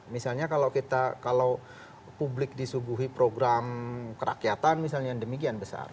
misalnya kalau publik disuguhi program kerakyatan misalnya yang demikian besar